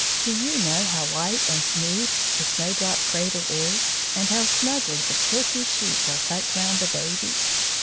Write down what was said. Do you know how white and smooth the Snowdrop cradle is, and how snugly the silky sheets are tucked round the baby?